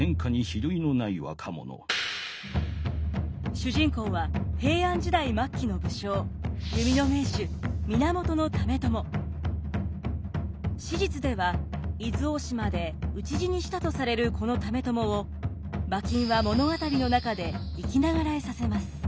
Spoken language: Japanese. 主人公は平安時代末期の武将史実では伊豆大島で討ち死にしたとされるこの為朝を馬琴は物語の中で生きながらえさせます。